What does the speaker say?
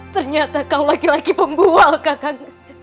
ternyata kau laki laki pembual kakaknya